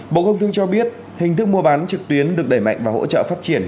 bộ công thương cho biết hình thức mua bán trực tuyến được đẩy mạnh và hỗ trợ phát triển